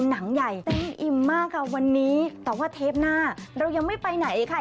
หนังใหญ่เต็มอิ่มมากค่ะวันนี้แต่ว่าเทปหน้าเรายังไม่ไปไหนค่ะ